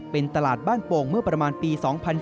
เป็นตลาดบ้านโป่งเมื่อประมาณปี๒๔